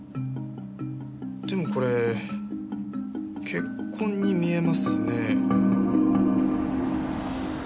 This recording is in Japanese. でもこれ血痕に見えますね。